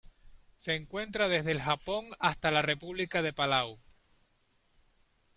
Se encuentra desde el Japón hasta República de Palau.